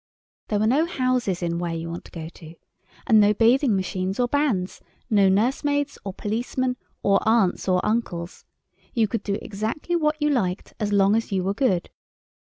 There were no houses in "Whereyouwantogoto," and no bathing machines or bands, no nursemaids or policemen or aunts or uncles. You could do exactly what you liked as long as you were good.